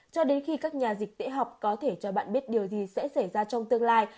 cho đến khi các nhà dịch tễ học có thể cho bạn biết điều gì sẽ xảy ra trong tương lai